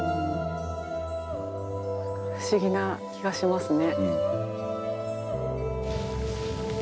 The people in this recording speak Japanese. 不思議な気がしますね。